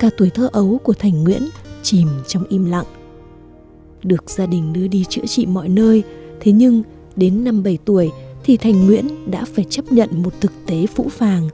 các gia đình đưa đi chữa trị mọi nơi thế nhưng đến năm bảy tuổi thì thành nguyễn đã phải chấp nhận một thực tế phũ phàng